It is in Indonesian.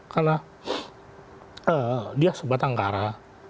karena dia sebatang kara